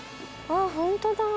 あほんとだ！